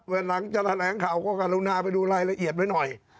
หลังจะแถลงข่าวก็กรุณาไปดูรายละเอียดไว้หน่อย